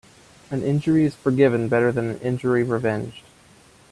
An injury is forgiven better than an injury revenged.